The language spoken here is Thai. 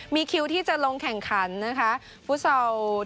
มีคิวที่จะลงแข่งขันนาคูทนาทีมชาไทย